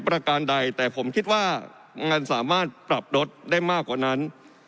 ประการใดแต่ผมคิดว่ามันสามารถปรับลดได้มากกว่านั้น